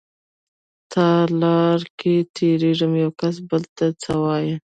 تالار کې تېرېږم يوکس بل ته څه وايي.